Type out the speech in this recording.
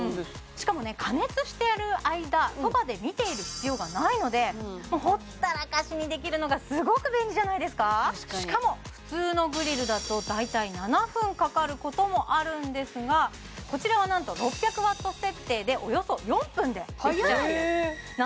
加熱している間そばで見ている必要がないのでほったらかしにできるのがすごく便利じゃないですかしかも普通のグリルだと大体７分かかることもあるんですがこちらはなんと６００ワット設定でおよそ４分でできちゃうんです早い！